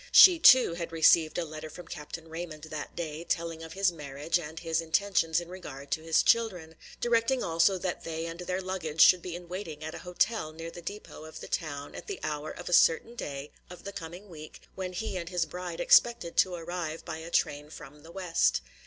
She too had received a letter from Capt. Raymond that day, telling of his marriage and his intentions in regard to his children; directing also that they and their luggage should be in waiting at a hotel near the depôt of the town at the hour of a certain day of the coming week when he and his bride expected to arrive by a train from the West.